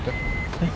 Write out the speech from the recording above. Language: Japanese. はい。